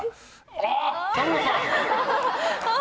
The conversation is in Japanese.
あっ！